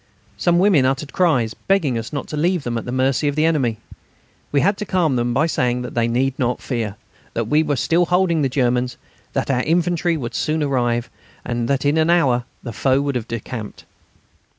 Some women uttered cries, begging us not to leave them at the mercy of the enemy. We had to calm them by saying that they need not fear, that we were still holding the Germans, that our infantry would soon arrive, and that in an hour the foe would have decamped.